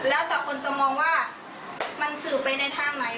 แล้วแต่คนจะมองว่ามันสื่อไปในทางไหน